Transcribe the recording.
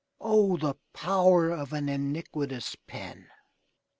O, the power of an iniquitous pen!